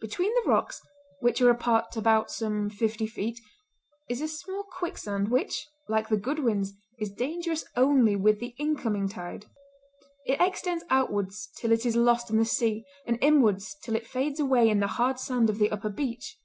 Between the rocks, which are apart about some fifty feet, is a small quicksand, which, like the Goodwins, is dangerous only with the incoming tide. It extends outwards till it is lost in the sea, and inwards till it fades away in the hard sand of the upper beach.